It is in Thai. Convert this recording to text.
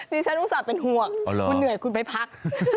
นี่ฉันรู้สึกเป็นหวกคุณเหนื่อยคุณไปพัก